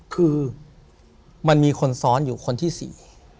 ถูกต้องไหมครับถูกต้องไหมครับ